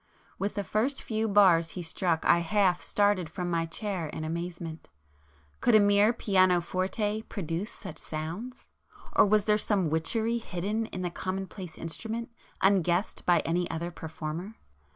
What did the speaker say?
With the first few bars he struck I half started from my chair in amazement;—could a mere pianoforte produce such sounds?—or was there some witchery hidden in the commonplace instrument, unguessed by any other performer?